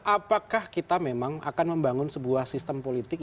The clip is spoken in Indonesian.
apakah kita memang akan membangun sebuah sistem politik